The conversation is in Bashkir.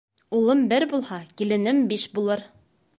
Улым бер булһа, киленем биш булыр.